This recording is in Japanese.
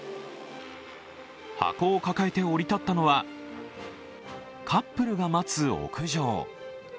箱を抱えて降り立ったのは、カップルが待つ屋上。